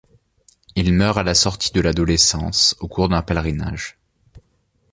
Il meurt à la sortie de l'adolescence au cours d'un pèlerinage.